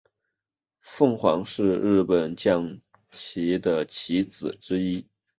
凤凰是日本将棋的棋子之一。